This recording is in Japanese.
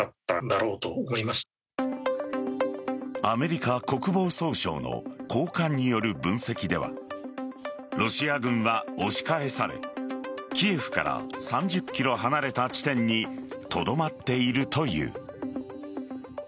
アメリカ国防総省の高官による分析ではロシア軍は押し返されキエフから３０ｋｍ離れた地点にとどまっているという。